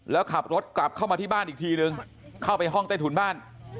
แล้วขับรถกลับเข้ามาที่บ้านอีกทีนึงเข้าไปห้องใต้ถุนบ้าน